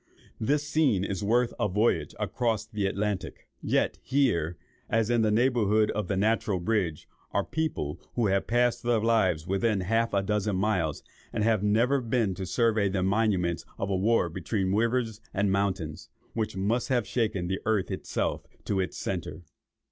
This scene is worth a voyage across the Atlantic; yet here, as in the neighbourhood of the Natural Bridge, are people who have passed their lives within half a dozen miles, and have never been to survey these monuments of a war between rivers and mountains, which must have shaken the earth itself to its centre."